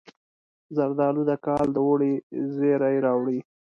زردالو د کال د اوړي زیری راوړي.